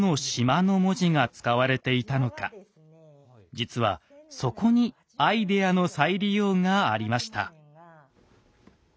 実はそこに「アイデアの再利用」がありました。